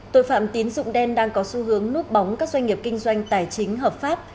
tội phạm tín dụng đen đang có xu hướng núp bóng các doanh nghiệp kinh doanh tài chính hợp pháp